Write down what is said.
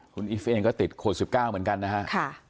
คุณอีฟเองก็ติดโควิด๑๙เหมือนกันนะครับ